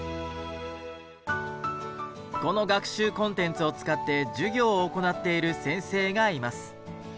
この学習コンテンツを使って授業を行っている先生がいます。